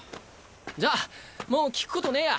じゃあもう聞くことねぇや。